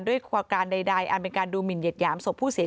ด้วยความการใดอันเป็นการดูหมินเหยียหยามศพผู้เสีย